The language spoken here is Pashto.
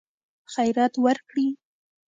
خیرات ورکړي.